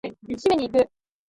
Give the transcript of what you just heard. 締めに行く！